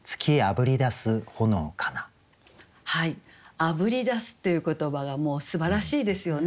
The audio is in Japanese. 「あぶり出す」っていう言葉がもうすばらしいですよね。